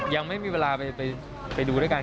ยังไม่มีเวลาไปดูด้วยกัน